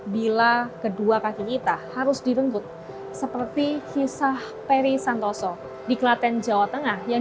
bila kedua kaki kita harus direnggut seperti kisah peri santoso di klaten jawa tengah yang